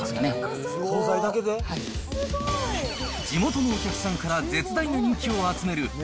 地元のお客さんから絶大な人気を集める